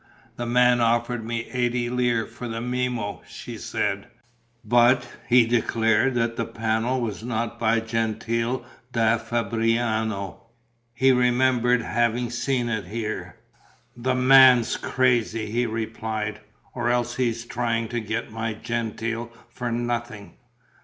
"The man offered me eighty lire for the Memmo," she said, "but he declared that the panel was not by Gentile da Fabriano: he remembered having seen it here." "The man's crazy," he replied. "Or else he is trying to get my Gentile for nothing....